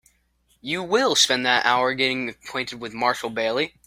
You will spend that hour getting acquainted with Marshall Bailey.